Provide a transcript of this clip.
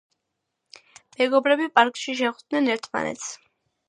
მეგობრები პარკში შეხვდნენ ერთმანეთს.